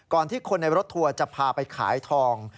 ที่คนในรถทัวร์จะพาไปขายทอง